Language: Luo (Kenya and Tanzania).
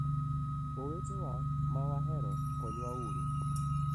Owetewa ma wahero konywa uru.